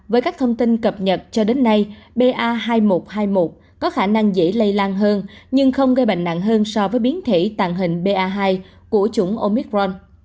với các thông tin cập nhật cho đến nay ba nghìn một trăm hai mươi một có khả năng dễ lây lan hơn nhưng không gây bệnh nặng hơn so với biến thể tàn hình ba hai của chủng omicron